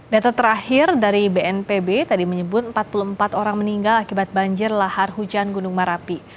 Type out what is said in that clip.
data terakhir dari bnpb tadi menyebut empat puluh empat orang meninggal akibat banjir lahar hujan gunung merapi